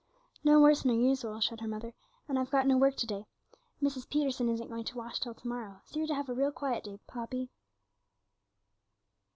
'No worse nor usual,' said her mother, 'and I've got no work to day. Mrs. Peterson isn't going to wash till to morrow, so you're to have a real quiet day, Poppy.'